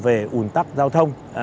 về ủn tắc giao thông